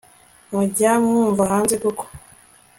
mujya mwumva hanze koko